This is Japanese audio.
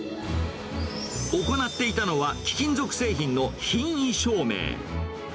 行っていたのは、貴金属製品の品位証明。